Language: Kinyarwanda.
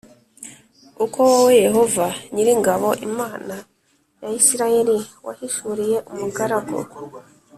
uko wowe yehova nyir ingabo imana ya isirayeli wahishuriye umugaragu